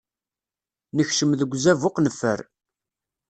Nekcem deg uzabuq neffer.